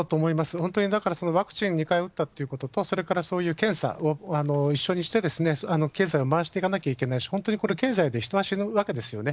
本当に、だからワクチン２回打ったということと、それからそういう検査を一緒にして、経済を回していかなきゃいけないし、本当にこれ、経済で人は死ぬわけですよね。